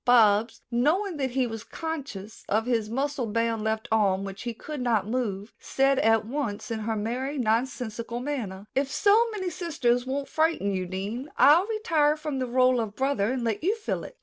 Bobs, knowing that he was conscious of his muscle bound left arm, which he could not move, said at once in her merry, nonsensical manner: "If so many sisters won't frighten you, Dean, I'll retire from the role of brother and let you fill it."